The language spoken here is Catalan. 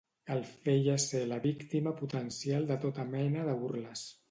El feia ser la víctima potencial de tota mena de burles.